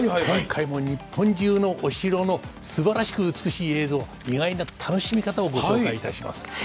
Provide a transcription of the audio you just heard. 今回も日本中のお城のすばらしく美しい映像意外な楽しみ方をご紹介いたします。